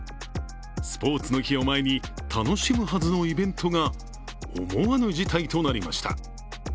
スポーツの日を前に楽しむはずのイベントが思わぬ事態となりました。